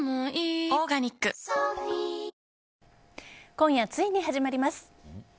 今夜ついに始まります。